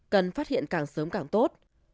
cần phát hiện càng sớm càng tốt